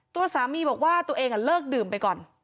ตัวสามีบอกว่าตัวเองเลิกดื่มไปก่อน